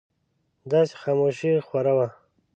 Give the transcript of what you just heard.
داسې خاموشي خوره وه.